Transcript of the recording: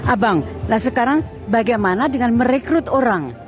abang nah sekarang bagaimana dengan merekrut orang